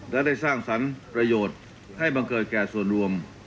และได้สร้างสรรค์ประโยชน์ให้บังเกิดแก่ส่วนรวม